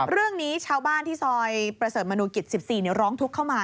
เรื่องนี้ชาวบ้านที่ซอยประเสริฐมนุกิจ๑๔ร้องทุกข์เข้ามา